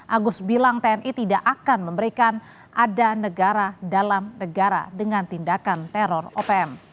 agus bilang tni tidak akan memberikan ada negara dalam negara dengan tindakan teror opm